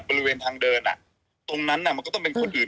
บริเวณทางเดินตรงนั้นมันก็ต้องเป็นคนอื่น